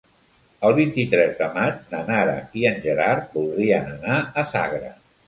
El vint-i-tres de maig na Nara i en Gerard voldrien anar a Sagra.